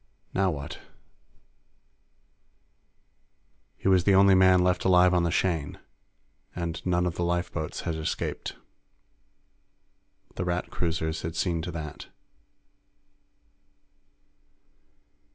Now what? He was the only man left alive on the Shane, and none of the lifeboats had escaped. The Rat cruisers had seen to that.